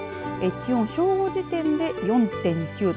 気温、正午時点で４．９度。